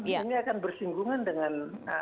ini akan bersinggungan dengan